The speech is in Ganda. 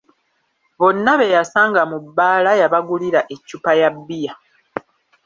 Bonna be yasanga mu bbaala yabagulira eccupa ya bbiya.